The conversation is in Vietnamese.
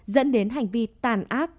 dẫn đến hành vi tàn ác